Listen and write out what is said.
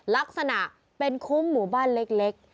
ลักษณะเป็นคุ้มหมู่บ้านเล็ก